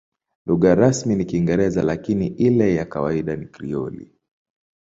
Lugha rasmi ni Kiingereza, lakini ile ya kawaida ni Krioli.